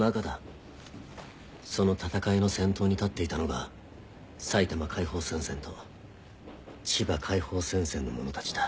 その戦いの先頭に立っていたのが埼玉解放戦線と千葉解放戦線の者たちだ。